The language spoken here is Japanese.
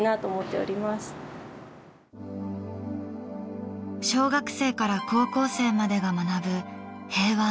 小学生から高校生までが学ぶ平和ノート。